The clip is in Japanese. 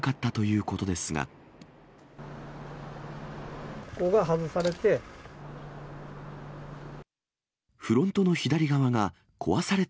ここが外されて。